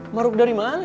maruk dari mana